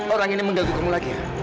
orang ini menggaguh kamu lagi ya